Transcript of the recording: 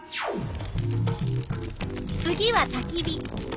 次はたき火。